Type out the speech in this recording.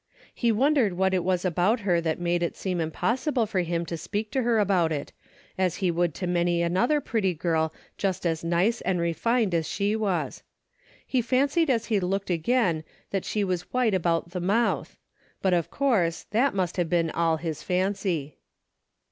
He wondered what it was about her that made it seem impossible for him to speak to her about it, as he would A DAILY bate: 317 to many another pretty girl just as nice and refined as she was. He fancied as he looked again that she was white about the mouth, but, of course, that must have been all his fancy.